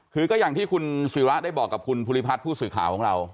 คือก็อย่างที่คุณศิระได้บอกกับคุณภูริพัฒน์ผู้สื่อข่าวของเรา